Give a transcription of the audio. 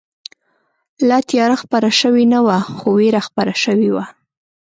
لا تیاره خپره شوې نه وه، خو وېره خپره شوې وه.